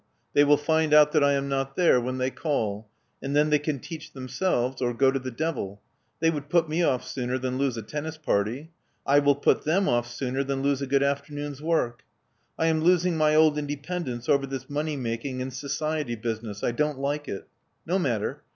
They will find out that I am not there when they call; and then they can teach themselves or go to the devil. They would put me off sooner than lose a tennis party. I will put them off sooner than lose a good afternoon's work. I am losing my old inde pendence over this money making and society business — I don't like it. No matter.